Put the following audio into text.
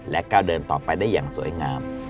ก้าวเดินต่อไปได้อย่างสวยงาม